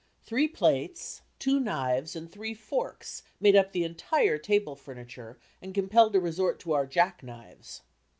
Three plates, two knives, and three forks made up the entire table furniture and compelled a resort to our jack knives.